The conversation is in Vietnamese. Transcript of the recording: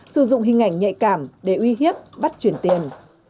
sử dụng hình ảnh nhạy cảm để uy hiếp bắt chuyển tiền